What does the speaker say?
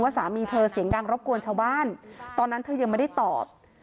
สามีเธอเสียงดังรบกวนชาวบ้านตอนนั้นเธอยังไม่ได้ตอบ